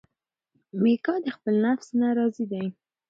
میکا د خپل نفس نه راضي دی.